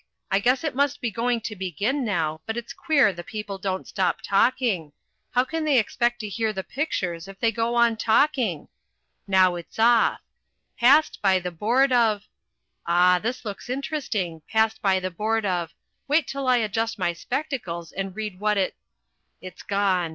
I guess it must be going to begin now, but it's queer the people don't stop talking: how can they expect to hear the pictures if they go on talking? Now it's off. PASSED BY THE BOARD OF . Ah, this looks interesting passed by the board of wait till I adjust my spectacles and read what it It's gone.